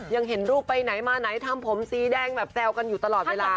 ยังเห็นรูปไปไหนมาไหนทำผมสีแดงแบบแซวกันอยู่ตลอดเวลา